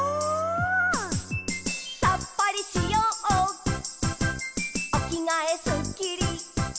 「さっぱりしようおきがえすっきり」